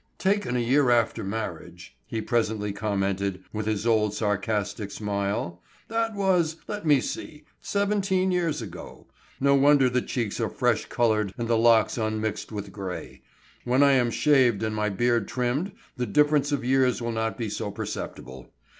"Taken a year after marriage," he presently commented, with his old sarcastic smile. "That was, let me see, seventeen years ago. No wonder the cheeks are fresh colored and the locks unmixed with gray. When I am shaved and my beard trimmed the difference of years will not be so perceptible.